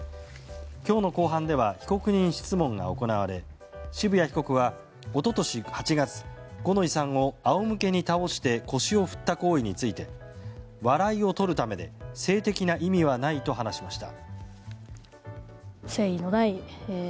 今日の公判では被告人質問が行われ渋谷被告は、一昨年８月五ノ井さんを仰向けに倒して腰を振った行為について笑いを取るためで性的な意味はないと話しました。